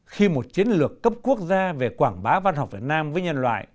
khi một chiến lược cấp quốc gia về quảng bá văn học việt nam với nhân loại